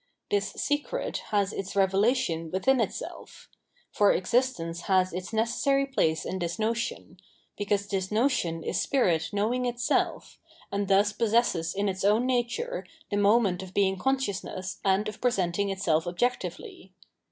This secret has its revelation within itself ; for existence has its necessary place in this notion, because this notion is spirit knowing itself, and thus possesses in its own nature the moment of being con sciousness and of presenting itself objectively.